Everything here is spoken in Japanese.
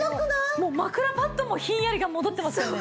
もう枕パッドもひんやりが戻ってますからね。